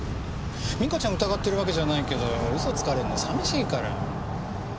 ミカちゃんを疑ってるわけじゃないけどウソつかれるの寂しいから。